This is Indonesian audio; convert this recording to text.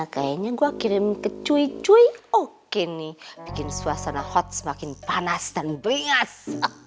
kayanya gua kirim ke cuy cuy oke nih bikin suasana hot semakin panas dan beringas